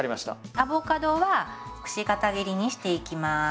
アボカドはくし形切りにしていきます。